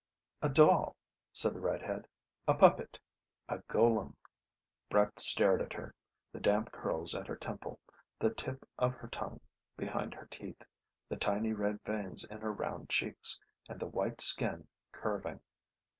"A doll," said the red head. "A puppet; a golem." Brett stared at her, the damp curls at her temple, the tip of her tongue behind her teeth, the tiny red veins in her round cheeks, and the white skin curving